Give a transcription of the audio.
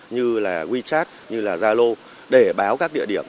như wechat zalo để báo các địa điểm